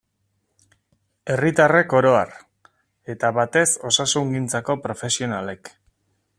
Herritarrek oro har, eta batez osasungintzako profesionalek.